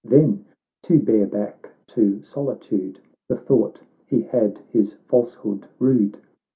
— Then, to bear back to solitude The thought, he had his falsehood rued !